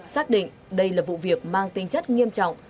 xác định đây là vụ việc mang tinh chất nghiêm trọng